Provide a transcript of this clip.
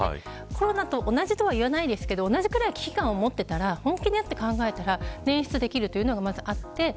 コロナと同じとは言わないですが同じくらいの危機を持っていたら本気になって考えたら捻出できるというのがあります。